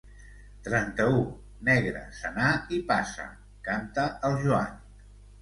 Trenta-u, negre, senar i passa —canta el Joan.